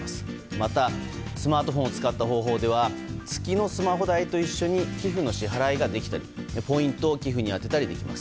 また、スマートフォンを使った方法では月のスマホ代と一緒に寄付の支払いができたりポイントを寄付に充てたりできます。